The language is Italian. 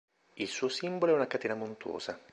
Il suo simbolo è una catena montuosa.